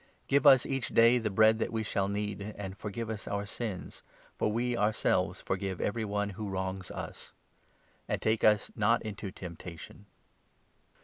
Give us each day the bread 3 that we shall need ; And forgive us our sins, 4 for we ourselves forgive every one who wrongs us ; And take us not into temptation.'"